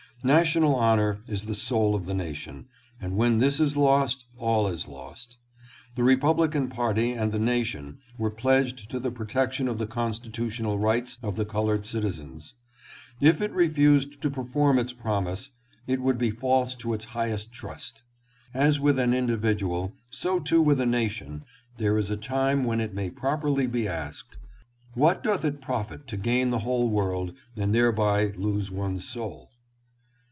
National honor is the soul of the nation, and when this is lost all is lost. The Republican party and the nation were pledged to the protection of the constitutional rights of the colored citizens. If it refused to perform its promise, it would be false to its highest trust. As with an individual, so too with a nation, there is a time when it may properly be asked, " What doth it profit to gain the whole world and thereby lose one's soul